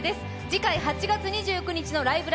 次回８月２９日「ライブ！